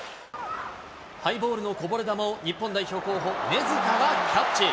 ハイボールのこぼれ球を日本代表候補、根塚がキャッチ。